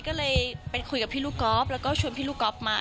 ก็เลยไปคุยกับพี่ลูกก๊อฟแล้วก็ชวนพี่ลูกก๊อฟมา